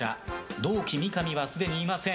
同期・三上はすでにいません。